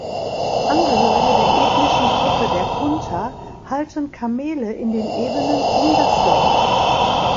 Angehörige der ethnischen Gruppe der Kunta halten Kamele in den Ebenen um das Dorf.